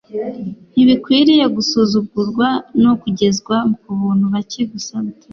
ntibikwiriye gusuzugurwa no kugezwa ku bantu bake gusa batoranyijwe,